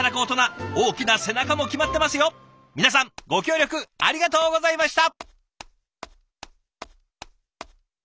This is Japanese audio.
皆さんご協力ありがとうございました！